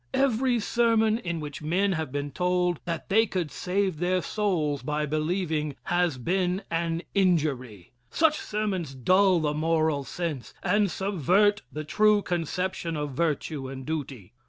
Every sermon in which men have been told that they could save their souls by believing, has been an injury. Such sermons dull the moral sense and subvert the true conception of virtue and duty.